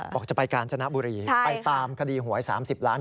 บอกจะไปกาญจนบุรีไปตามคดีหวย๓๐ล้าน